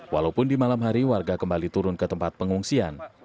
walaupun di malam hari warga kembali turun ke tempat pengungsian